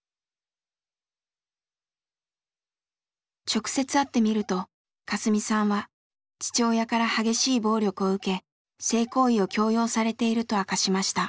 直接会ってみるとカスミさんは父親から激しい暴力を受け性行為を強要されていると明かしました。